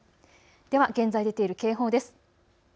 では現在、出ている警報です。